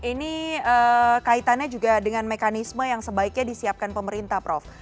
ini kaitannya juga dengan mekanisme yang sebaiknya disiapkan pemerintah prof